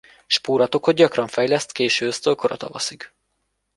Spóratokot gyakran fejleszt késő ősztől kora tavaszig.